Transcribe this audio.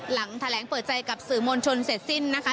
หลังแถลงเปิดใจกับสื่อมวลชนเสร็จสิ้นนะคะ